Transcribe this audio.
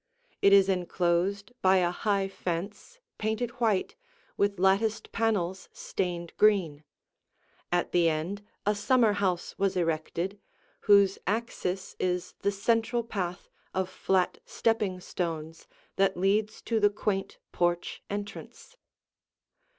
It is enclosed by a high fence painted white, with latticed panels stained green; at the end a summer house was erected, whose axis is the central path of flat stepping stones that leads to the quaint porch entrance.